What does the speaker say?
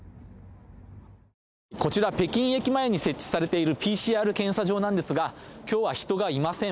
こちら北京駅前に設置されているＰＣＲ検査場なんですが今日は人がいません。